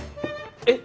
えっ？